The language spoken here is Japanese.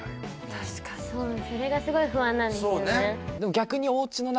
確かにそれがすごい不安なんですよね